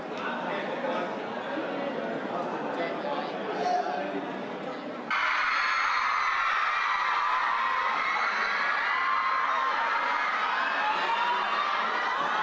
น้องน้องจะพูดหนึ่งนะครับร่างกายสูงรุ่นเสียงแรงนะครับ